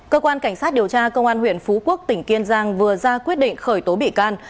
cơ quan cảnh sát điều tra công an huyện phú quốc tỉnh kiên giang vừa ra quyết định khởi tố bị can